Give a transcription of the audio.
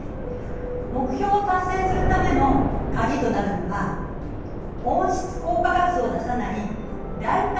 目標を達成するためのカギとなるのは温室効果ガスを出さない代替エネルギーの導入ね。